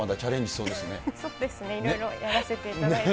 そうですね、いろいろやらせていただいて。